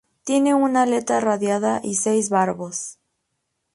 Tiene una aleta radiada, y seis barbos.